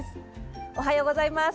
おはようございます。